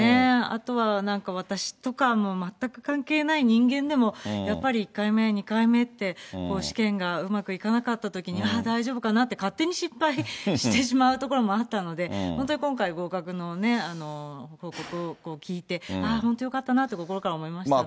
あとはなんか、私とかも全く関係ない人間でも、やっぱり１回目、２回目って、試験がうまくいかなかったときに、ああ大丈夫かなって、勝手に心配してしまうところもあったので、本当に今回、合格のね、報告を聞いて、ああ、本当よかったなって、心から思いましたね。